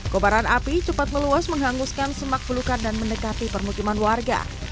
kobaran api cepat meluas menghanguskan semak belukar dan mendekati permukiman warga